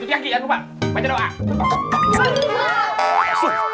tolong pintu pelan pelan